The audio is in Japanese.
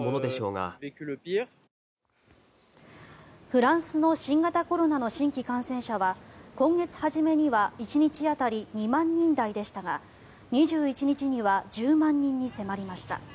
フランスの新型コロナの新規感染者は今月初めには１日当たり２万人台でしたが２１日には１０万人に迫りました。